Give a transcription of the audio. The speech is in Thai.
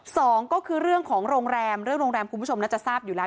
สองก็คือเรื่องของโรงแรมเรื่องโรงแรมคุณผู้ชมน่าจะทราบอยู่แล้ว